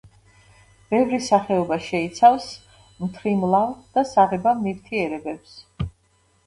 ბევრი სახეობა შეიცავს მთრიმლავ და საღებავ ნივთიერებებს.